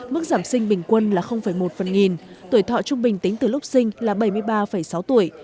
mức giảm sinh bình quân là một phần nghìn tuổi thọ trung bình tính từ lúc sinh là bảy mươi ba sáu tuổi